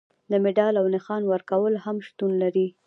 د مډال او نښان ورکول هم شتون لري.